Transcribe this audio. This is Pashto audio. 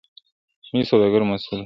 ملي سوداګر مسئول دي.